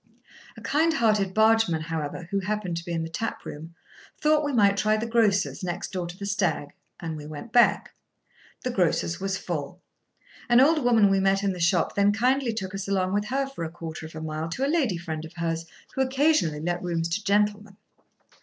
A kind hearted bargeman, however, who happened to be in the tap room, thought we might try the grocer's, next door to the Stag, and we went back. The grocer's was full. An old woman we met in the shop then kindly took us along with her for a quarter of a mile, to a lady friend of hers, who occasionally let rooms to gentlemen.